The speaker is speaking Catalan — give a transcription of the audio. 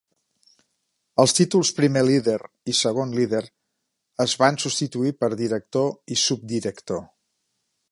Els títols Primer líder i Segon líder es van substituir per Director i Subdirector.